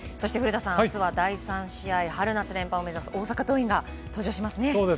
あすは第３試合、春夏連覇を目指す大阪桐蔭が登場しますね。